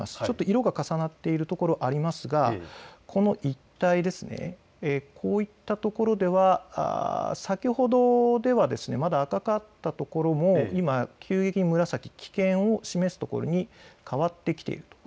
色が重なっている所がありますがこの一帯、こういったところでは先ほどはまだ赤かった所も今、急激に紫、危険を示すところに変わってきています。